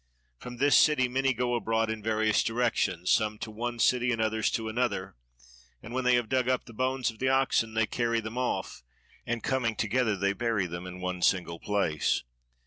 From this city many go abroad in various directions, some to one city and others to another, and when they have dug up the bones of the oxen they carry them off, and coming together they bury them in one single place.